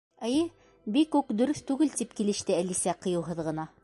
—Эйе, бик үк дөрөҫ түгел, —тип килеште Әлисә ҡыйыуһыҙ ғына.